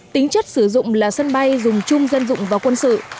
tính chất sử dụng là sân bay dùng chung dân dụng và quân sự